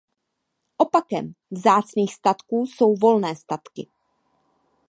Opakem vzácných statků jsou volné statky.